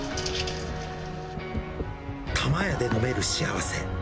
玉やで飲める幸せ。